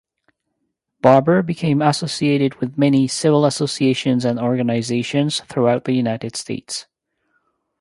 Barbour became associated with many civil associations and organizations throughout the United States.